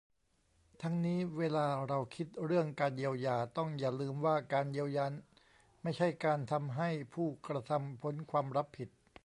ทั้งนี้เวลาเราคิดเรื่องการเยียวยา ต้องอย่าลืมว่า การเยียวยาไม่ใช่การทำให้ผู้กระทำพ้นความรับผิด